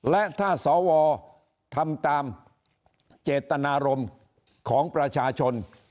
และถ้าสวทำตามเจตนารมณ์ของประชาชน